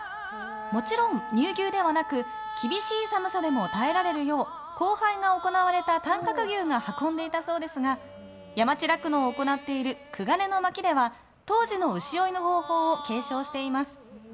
もちろん、乳牛ではなく厳しい寒さでも耐えられるよう交配が行われた短角牛が運んでいたそうですが山地酪農を行っているくがねの牧では当時の牛追いの方法を継承しています。